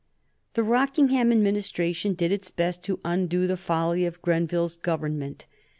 The Rockingham Administration did its best to undo the folly of Grenville's Government.